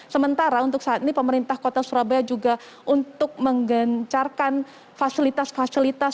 sementara untuk saat ini pemerintah kota surabaya juga untuk menggencarkan fasilitas fasilitas